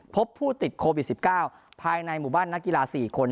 พบผู้ติดโควิด๑๙ภายในหมู่บ้านนักกีฬา๔คน